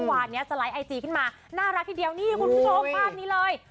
วันนี้จะไลค์ไอจีขึ้นมาน่ารักที่เดียวนี่คุณพ่อฟาดนี้เลย